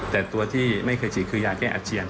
แต่ตัวที่ไม่เคยฉีดคือยาแก้อาเจียน